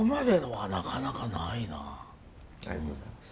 ありがとうございます。